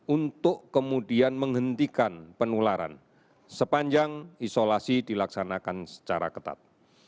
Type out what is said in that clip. untuk kemudian menghentikan penularan sepanjang isolasi dilaksanakan secara ketat